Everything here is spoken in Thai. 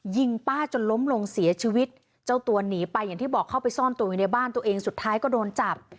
ยิงป้าจนล้มลงเสียชีวิตเจ้าตัวหนีไปอย่างที่บอกเข้าไปซ่อนตัวอยู่ในบ้านตัวเองสุดท้ายก็โดนจับ